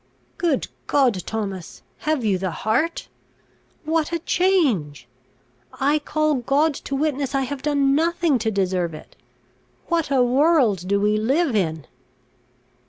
"Good God, Thomas! have you the heart? What a change! I call God to witness, I have done nothing to deserve it! What a world do we live in!"